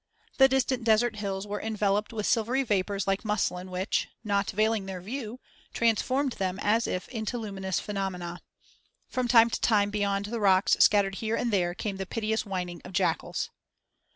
The distant desert hills were enveloped with silvery vapors like muslin which, not veiling their view, transformed them as if into luminous phenomena. From time to time from beyond the rocks scattered here and there came the piteous whining of jackals.